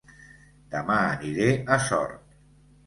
Dema aniré a Sort